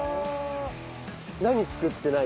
何作ってない？